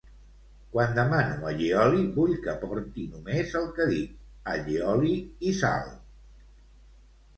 Quan demano allioli vull que porti només el que dic all oli i sal